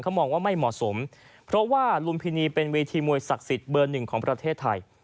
มองว่าไม่เหมาะสมเพราะว่าลุมพินีเป็นเวทีมวยศักดิ์สิทธิ์เบอร์หนึ่งของประเทศไทย